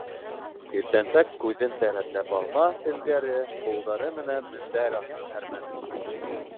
Иртәнсәк, күҙен дә рәтләп асмаҫ элгәре ҡулдары менән мендәр аҫтын һәрмәне.